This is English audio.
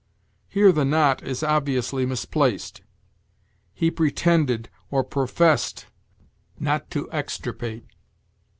Here the not is obviously misplaced. 'He pretended, or professed, not to extirpate.'"